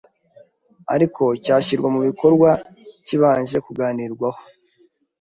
ariko cyashyirwa mu bikorwa kibanje kuganirwaho